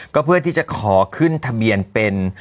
ก็เพื่อที่จะขอขึ้นทะเบียนเป็น